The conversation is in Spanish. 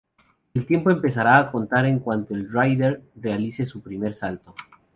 El tiempo empezará a contar en cuanto el rider realice su primer salto.